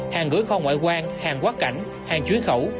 hàng gửi kho ngoại quan hàng quá cảnh hàng chuyến khẩu